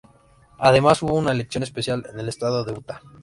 Además, hubo una elección especial en el estado de Utah.